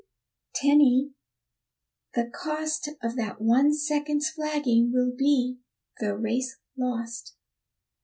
Tenny, the cost Of that one's second flagging, will be the race lost.